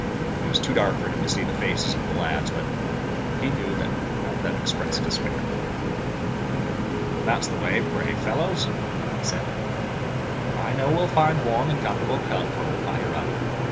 It was too dark for him to see the faces of the lads, but he knew that none of them expressed despair. "That's the way, my brave fellows," he said. "I know we'll find a warm and comfortable cove higher up.